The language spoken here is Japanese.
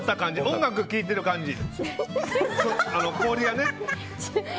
音楽聴いてる感じ、氷がね。